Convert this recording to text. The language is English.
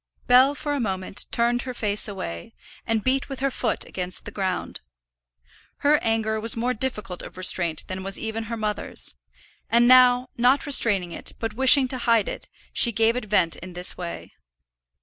Bell for a moment turned her face away, and beat with her foot against the ground. Her anger was more difficult of restraint than was even her mother's, and now, not restraining it, but wishing to hide it, she gave it vent in this way.